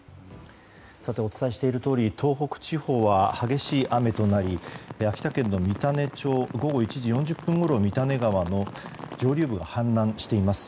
お伝えしているとおり東北地方は激しい雨となり秋田県の三種町午後１時４０分ごろ三種川の上流部が氾濫しています。